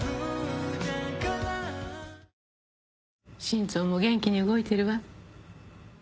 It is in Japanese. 心臓も元気に動いてるわ。